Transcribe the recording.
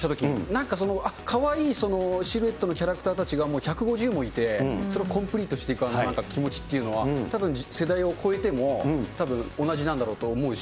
なんかその、かわいいシルエットのキャラクターたちが１５０もいて、それコンプリートしていく気持ちっていうのは、世代を超えてもたぶん同じなんだろうと思うし。